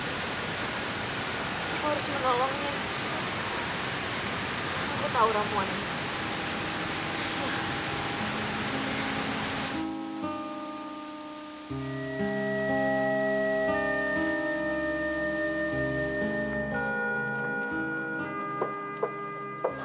aku tahu ramuani